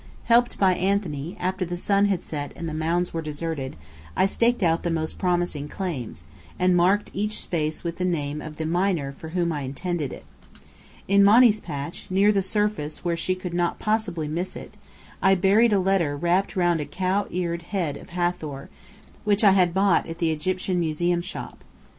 Helped by Anthony, after the sun had set and the mounds were deserted, I staked out the most promising "claims," and marked each space with the name of the "miner" for whom I intended it. In Monny's patch, near the surface where she could not possibly miss it, I buried a letter wrapped round a cow eared head of Hathor which I had bought at the Egyptian Museum shop.